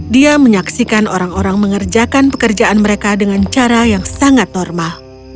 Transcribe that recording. dia menyaksikan orang orang mengerjakan pekerjaan mereka dengan cara yang sangat normal